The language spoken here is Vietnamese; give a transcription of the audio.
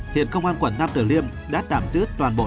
hiện công an quận nam tử liêm đã tạm giữ toàn bộ